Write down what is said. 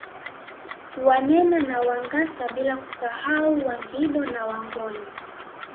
Wanena na Wangasa bila kusahau Wangindo na Wangoni